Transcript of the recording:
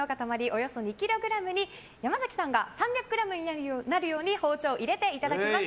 およそ２ｋｇに山崎さんが３００ｇになるように包丁を入れていただきます。